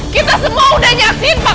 kita semua udah nyatin pak